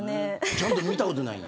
ちゃんと見たことないんや。